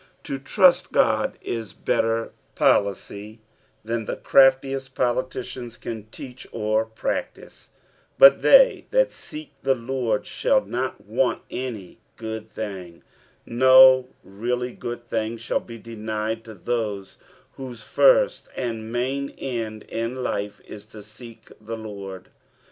To trust Ood is better policy than the craftiest politicians can teach or practice. " But th^ that ueh the Lord thaU, not tcant anp_ good tMng." No really ^od thing shall be denied to those whose first and main end in life is to seek tlie Lord.